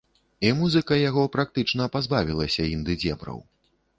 І музыка яго практычна пазбавілася інды-дзебраў.